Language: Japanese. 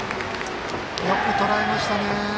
よく、とらえましたね。